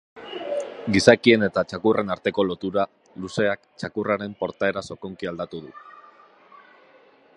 Gizakien eta txakurren arteko lotura luzeak txakurraren portaera sakonki aldatu du.